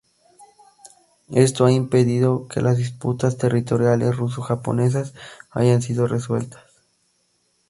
Esto ha impedido que las disputas territoriales ruso-japonesas hayan sido resueltas.